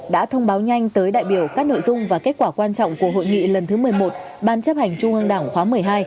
đã thông báo nhanh tới đại biểu các nội dung và kết quả quan trọng của hội nghị lần thứ một mươi một ban chấp hành trung ương đảng khóa một mươi hai